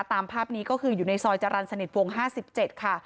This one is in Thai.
ตามภาพนี้ก็คืออยู่ในซอยจรรย์สนิทวง๕๗ค่ะ